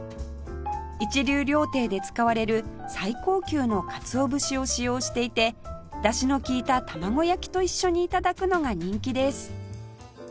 一流料亭で使われる最高級のかつお節を使用していてだしの利いた玉子焼きと一緒に頂くのが人気です